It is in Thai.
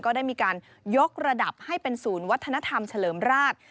ก็ได้มีการยกระดับให้เป็นศูนย์วัฒนธรรมเฉลิมราช